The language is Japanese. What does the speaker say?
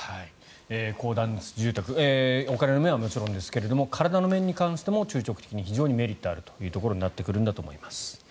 高断熱住宅お金の面はもちろんですが体の面に対しても中長期的に非常にメリットがあるということだと思います。